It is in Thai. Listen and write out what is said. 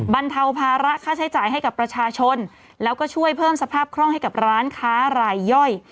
บรรเทาภาระค่าใช้จ่ายให้กับประชาชนแล้วก็ช่วยเพิ่มสภาพคล่องให้กับร้านค้ารายย่อย